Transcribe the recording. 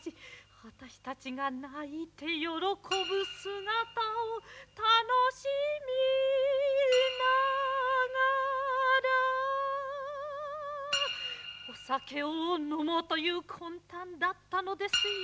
あたし達が泣いて喜ぶ姿を楽しみながらお酒をのもうという魂たんだったのですよ